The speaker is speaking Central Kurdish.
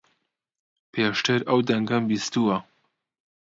پێشتر ئەو دەنگەم بیستووە.